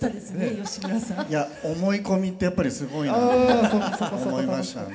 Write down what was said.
義村さん。いや思い込みってやっぱりすごいんだなと思いましたね。